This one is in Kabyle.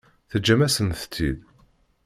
Teǧǧam-asent-tt-id?